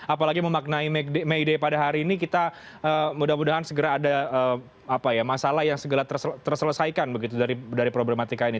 apalagi memaknai may day pada hari ini kita mudah mudahan segera ada masalah yang segera terselesaikan begitu dari problematika ini